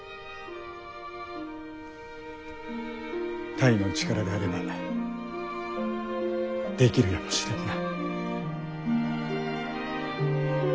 泰の力であればできるやもしれぬな。